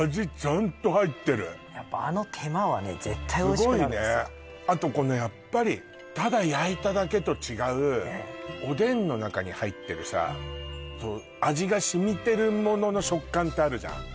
これすごいねあとこのやっぱりただ焼いただけと違うおでんの中に入ってるさ味が染みてるものの食感ってあるじゃん